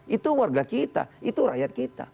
itu warga kita itu rakyat kita